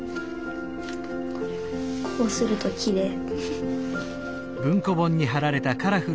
こうするときれい。